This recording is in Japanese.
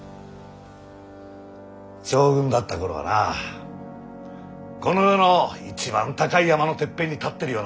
将軍だった頃はなこの世の一番高い山のてっぺんに立ってるようなもんでな